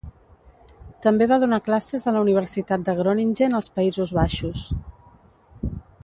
També va donar classes a la Universitat de Groningen als Països Baixos.